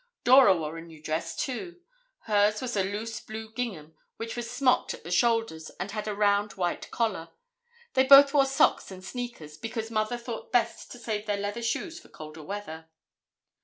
Dora wore a new dress, too. Hers was a loose blue gingham which was smocked at the shoulders and had a round white collar. They both wore socks and sneakers, because Mother thought best to save their leather shoes for colder weather.